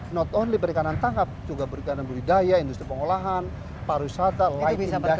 not only berikanan tangkap juga berikanan berhidayah industri pengolahan pariwisata life industries